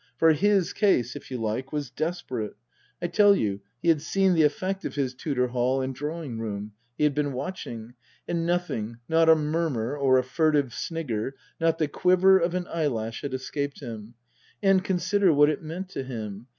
For his case, if you like, was desperate. I tell you he had seen the effect of his Tudor hall and drawing room. He had been watching ; and nothing, not a murmur, or a furtive snigger, not the quiver of an eyelash, had escaped him. And consider what it meant to him.